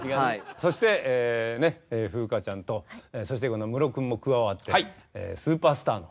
そしてね風花ちゃんとそして今度はムロ君も加わって「スーパースター」の。